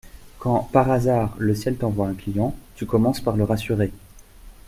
Quand, par hasard, le ciel t’envoie un client, tu commences par le rassurer…